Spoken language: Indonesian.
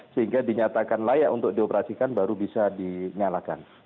sehingga dinyatakan layak untuk dioperasikan baru bisa dinyalakan